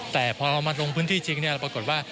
แต่พอเราต้องพื้นที่จริงเนี่ยแล้วปรากฏว่า